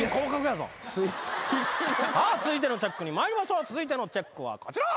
続いてのチェック参りましょう続いてのチェックはこちら！